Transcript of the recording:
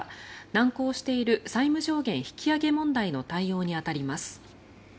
難航している債務上限引き上げ問題の対応に当たります。